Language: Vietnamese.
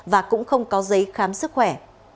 và cũng không có giấy khám sức khỏe